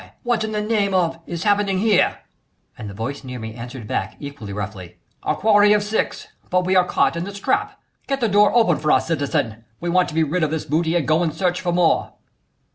what in the name of is happening here?" And the voice near me answered back equally roughly: "A quarry of six but we are caught in this trap get the door open for us, citizen we want to be rid of this booty and go in search for more."